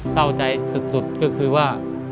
เศร้าใจสุดก็คือว่า